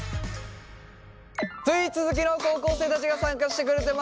スイーツ好きの高校生たちが参加してくれてます。